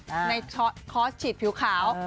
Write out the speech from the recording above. ในคอร์สฉีดผิวขาว